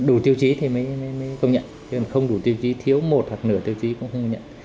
đủ tiêu chí thì mới công nhận không đủ tiêu chí thiếu một hoặc nửa tiêu chí cũng không công nhận